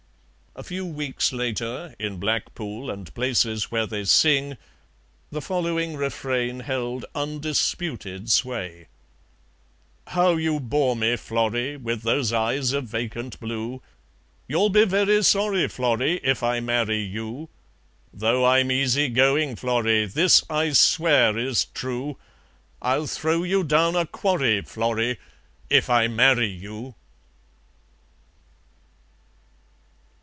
A few weeks later in Blackpool and places where they sing, the following refrain held undisputed sway: "How you bore me, Florrie, With those eyes of vacant blue; You'll be very sorry, Florrie, If I marry you. Though I'm easygoin', Florrie, This I swear is true, I'll throw you down a quarry, Florrie, If I marry you."